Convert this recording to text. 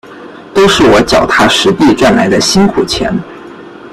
都是我脚踏实地赚来的辛苦钱